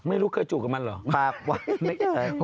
ไม่เคยจูบกับมันเหรอ